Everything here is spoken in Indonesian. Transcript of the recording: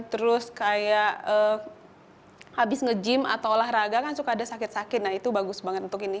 terus kayak habis nge gym atau olahraga kan suka ada sakit sakit nah itu bagus banget untuk ini